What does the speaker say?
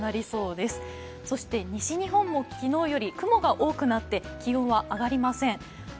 そして、西日本も昨日より雲が多くなって気温は上がりません。